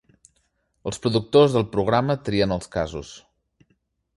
Els productors del programa trien els casos.